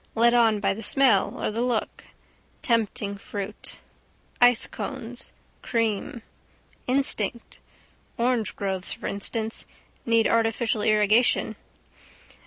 Led on by the smell or the look. Tempting fruit. Ice cones. Cream. Instinct. Orangegroves for instance. Need artificial irrigation.